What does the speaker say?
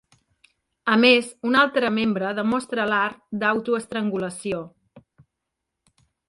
A més, un altre membre demostra l'art d'autoestrangulació.